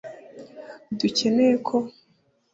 ntidukeneye ko